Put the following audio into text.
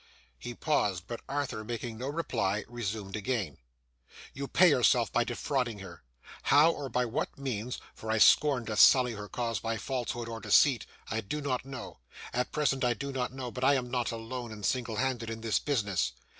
He paused; but, Arthur making no reply, resumed again. 'You pay yourself by defrauding her. How or by what means for I scorn to sully her cause by falsehood or deceit I do not know; at present I do not know, but I am not alone or single handed in this business.